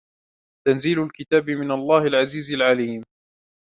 تنزيل الكتاب من الله العزيز العليم